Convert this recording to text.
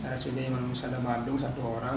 rsud mangusada badung satu orang